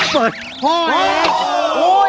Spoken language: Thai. เปิดโทย